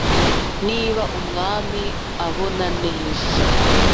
Niba umwami abona neza